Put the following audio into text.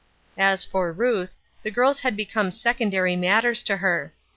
As for Ruth, the girls had become secondary matters to her.